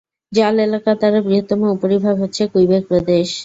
জল এলাকা দ্বারা বৃহত্তম উপবিভাগ হচ্ছে কুইবেক প্রদেশ।